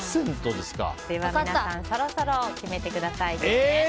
では皆さんそろそろ決めてください。